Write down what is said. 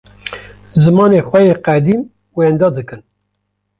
zimanê xwe yê qedîm wenda dikin.